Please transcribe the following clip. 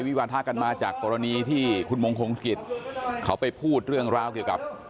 วาทะกันมาจากกรณีที่คุณมงคงกิจเขาไปพูดเรื่องราวเกี่ยวกับ